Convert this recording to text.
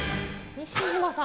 西島さん。